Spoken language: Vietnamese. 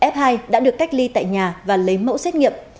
f hai đã được cách ly tại nhà và lấy mẫu xét nghiệm